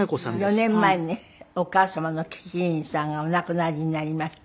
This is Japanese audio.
４年前ねお母様の樹木希林さんがお亡くなりになりまして。